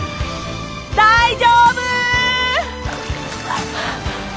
大丈夫？